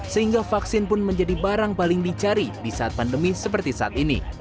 sehingga vaksin pun menjadi barang paling dicari di saat pandemi seperti saat ini